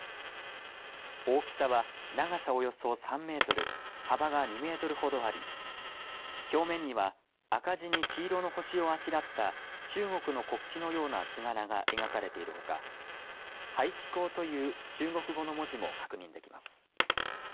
大きさは長さおよそ３メートル幅が２メートルほどあり表面には赤地に黄色の星をあしらった中国の国旗のような図柄が描かれているほか排気孔という中国語の文字も確認できます。